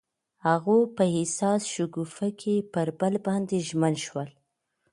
هغوی په حساس شګوفه کې پر بل باندې ژمن شول.